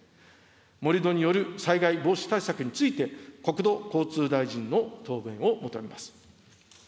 盛土による災害防止対策について、国土交通大臣の答弁を求めます。